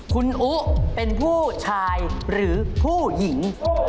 คุณอุ๊เป็นผู้ชายหรือผู้หญิง